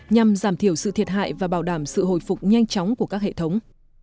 nhằm giảm thiểu sự thiệt hại và bảo đảm sự hồi phục nhanh chóng của các hệ thống